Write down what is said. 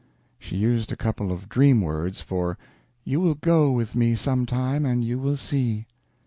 She used a couple of dream words for "You will go with me some time and you will see."